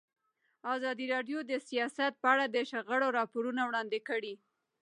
ازادي راډیو د سیاست په اړه د شخړو راپورونه وړاندې کړي.